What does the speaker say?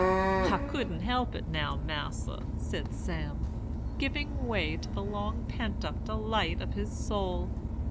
"'I couldn't help it now, Mas'r,' said Sam, giving way to the long pent up delight of his soul.